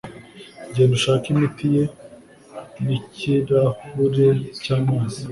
Genda ushake imiti ye nikirahure cyamazi.